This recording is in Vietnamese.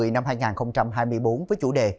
năm hai nghìn hai mươi bốn với chủ đề